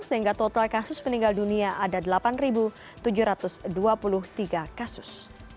sehingga total kasus meninggal dunia ada delapan tujuh ratus dua puluh tiga kasus